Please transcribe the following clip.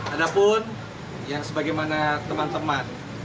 ada pun yang sebagaimana teman teman